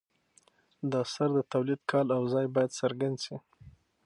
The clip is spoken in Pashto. د اثر د تولید کال او ځای باید څرګند شي.